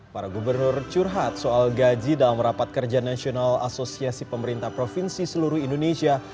para gubernur curhat soal gaji dalam rapat kerja nasional asosiasi pemerintah provinsi seluruh indonesia